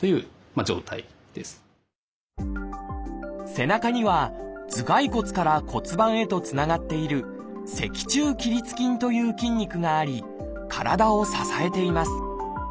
背中には頭蓋骨から骨盤へとつながっている「脊柱起立筋」という筋肉があり体を支えています。